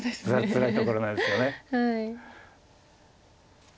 つらいところなんですよね。